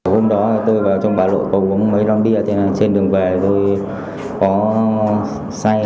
hôm đó tôi vào trong bà lộ có vốn mấy năm đi ở trên đường về tôi có sáng